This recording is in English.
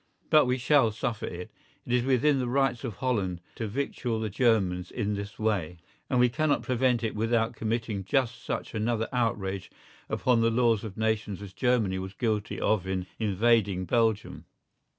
But we shall suffer it; it is within the rights of Holland to victual the Germans in this way, and we cannot prevent it without committing just such another outrage upon the laws of nations as Germany was guilty of in invading Belgium.